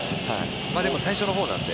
でも最初の方なので。